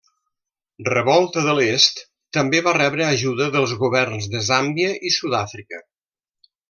Revolta de l'Est també va rebre ajuda dels governs de Zàmbia i Sud-àfrica.